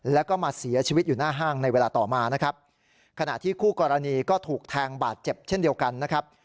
แล้วก็มาเสียชีวิตอยู่หน้าห้างในเวลาต่อมานะครับขณะที่คู่กรณีก็ถูกแทงบาดเจ็บเช่นเดียวกันนะครับ